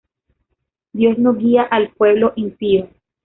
Dios no guía al pueblo impío.